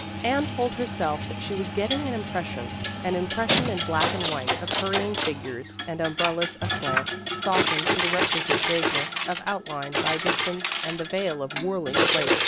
Anne told herself that she was getting an impression an impression in black and white of hurrying figures and umbrellas aslant, softened to the requisite vagueness of outline by dis tance and the veil of whirling flakes.